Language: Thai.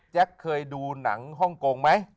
เคยดูหนังฮ่องกงไหม